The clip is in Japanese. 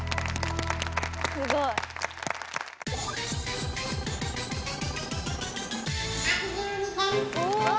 すごい。お！